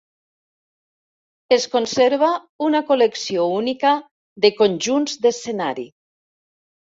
Es conserva una col·lecció única de conjunts d'escenari.